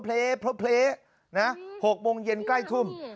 เพราะเพลนะ๖โมงเย็นใกล้ทุ่ม